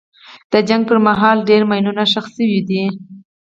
د جنګ پر مهال ډېر ماینونه ښخ شوي دي.